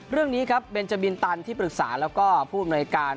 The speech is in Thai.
เรื่องนี้เบนเจมส์ตันที่ปรึกษาแล้วก็ผู้บริการ